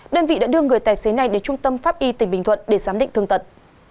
đơn vị đã đưa người tài xế này đến trung tâm pháp y tỉnh bình thuận để giám định thương tật